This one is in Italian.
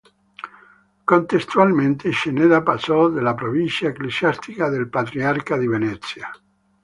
Contestualmente Ceneda passò nella provincia ecclesiastica del patriarcato di Venezia.